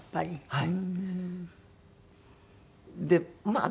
はい。